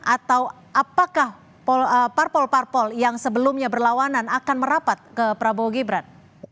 atau apakah parpol parpol yang sebelumnya berlawanan akan merapat ke prabowo gibran